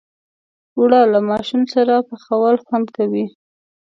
اوړه له ماشوم سره پخول خوند کوي